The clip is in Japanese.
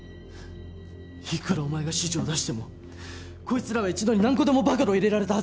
いくらお前が指示を出してもこいつらは一度に何個でも暴露を入れられたはずだ！